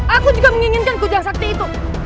aku juga menginginkan kuja sakti itu